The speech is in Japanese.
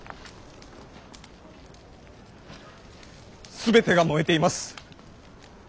全てが燃えています。